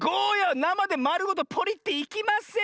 なまでまるごとポリッていきません！